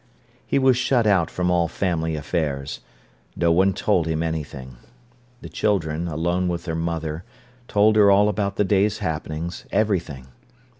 He was shut out from all family affairs. No one told him anything. The children, alone with their mother, told her all about the day's happenings, everything.